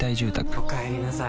おかえりなさい。